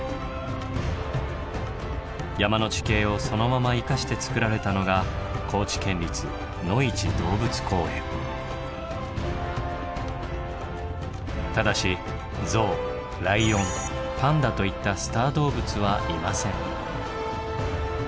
山の地形をそのまま生かしてつくられたのがただしゾウライオンパンダといったでも。